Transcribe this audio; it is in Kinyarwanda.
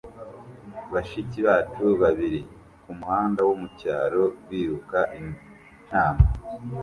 Bashiki bacu babiri kumuhanda wo mucyaro biruka intama